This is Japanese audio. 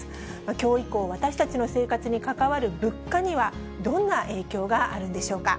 きょう以降、私たちの生活に関わる物価には、どんな影響があるんでしょうか。